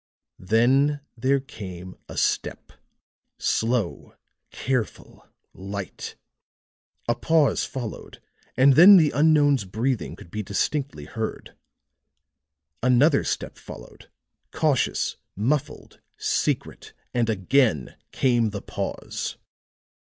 Then there came a step, slow, careful, light; a pause followed and then the unknown's breathing could be distinctly heard. Another step followed, cautious, muffled, secret; and again came the pause.